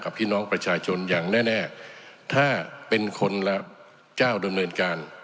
พี่น้องประชาชนอย่างแน่แน่ถ้าเป็นคนละเจ้าดำเนินการ